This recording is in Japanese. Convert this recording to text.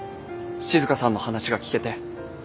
静さんの話が聞けて。